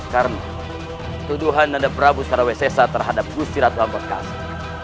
karena tuduhan nanda prabu sarawet sesa terhadap gusti ratu ambedkasi